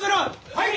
はい！